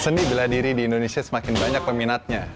seni beladiri di indonesia semakin banyak peminatnya